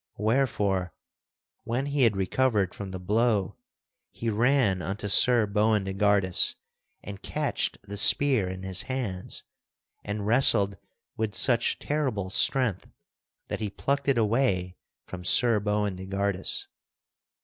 Wherefore, when he had recovered from the blow he ran unto Sir Boindegardus and catched the spear in his hands and wrestled with such terrible strength that he plucked it away from Sir Boindegardus.